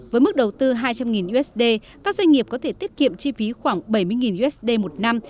với mức đầu tư hai trăm linh usd các doanh nghiệp có thể tiết kiệm chi phí khoảng bảy mươi usd một năm